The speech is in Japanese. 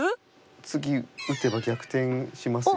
次打てば逆転しますよ。